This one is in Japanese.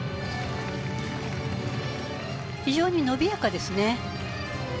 非常に伸びやかですね。